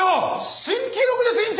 新記録です院長！